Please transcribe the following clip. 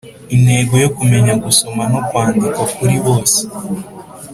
intego yo kumenya gusoma no kwandika kuri bose